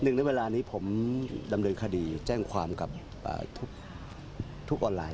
ในเวลานี้ผมดำเนินคดีแจ้งความกับทุกออนไลน